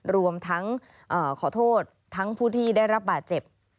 รวมทั้งขอโทษทั้งผู้ที่ได้รับบาดเจ็บ